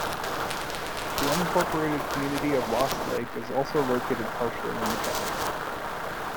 The unincorporated community of Lost Lake is also located partially in the town.